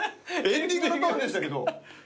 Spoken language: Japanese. エンディングのトーンでしたけど。